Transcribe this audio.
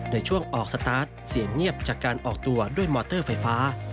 ในช่วงออกสตาร์ทเสียงเงียบจากการออกตัวด้วยมอเตอร์ไฟฟ้า